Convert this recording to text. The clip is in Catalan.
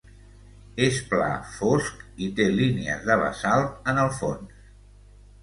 És pla, fosc i té línies de basalt en el fons.